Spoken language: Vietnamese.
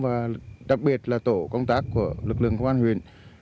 và đặc biệt là tổ công tác của lực lượng công an huyện